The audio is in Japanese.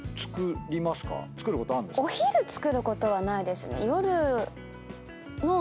お昼作ることはないですね。